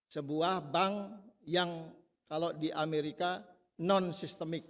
sebuah bank yang kalau di amerika non sistemik